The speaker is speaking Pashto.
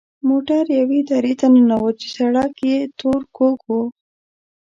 موټر یوې درې ته ننوت چې سړک یې تور کوږ وږ و.